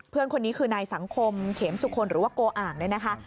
เพื่อนคนนี้คือนายสังคมเขมสุคลหรือว่าโกอ่างเนี่ยนะคะ